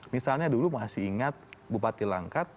misalnya dulu masih ingat bupati langkat